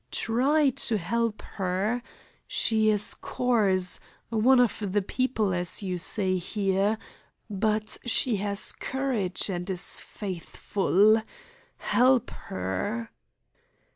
Try to help her. She is coarse, one of the people, as you say here, but she has courage and is faithful. Help her!"